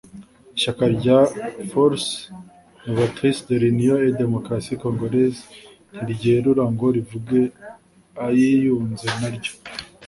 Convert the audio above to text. ishyaka rya Force Novatrice pour l’Union et la Democratie Congolaise ntiryerura ngo rivuge ayiyunze naryo